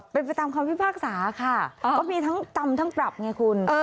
เป็นไปตามคำพิพากษาค่ะก็มีทั้งจำทั้งปรับไงคุณ